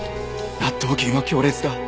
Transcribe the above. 納豆菌は強烈だ。